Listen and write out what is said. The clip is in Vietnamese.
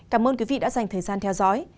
cảm ơn quý vị đã dành thời gian theo dõi